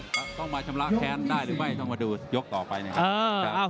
ต้องมาชำระแค้นได้หรือไม่ต้องมาดูยกต่อไปนะครับ